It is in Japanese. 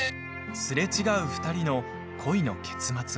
すれ違う２人の恋の結末は。